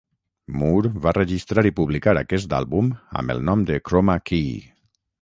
Moore va registrar i publicar aquest àlbum amb el nom de "Chroma Key".